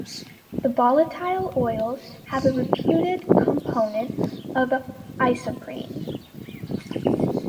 The volatile oils have a reputed component of isoprene.